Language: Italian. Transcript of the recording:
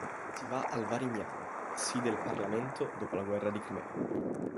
Si va al Varignano; Si del Parlamento dopo la guerra di Crimea.